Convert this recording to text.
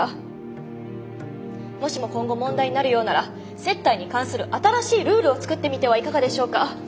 もしも今後問題になるようなら接待に関する新しいルールを作ってみてはいかがでしょうか。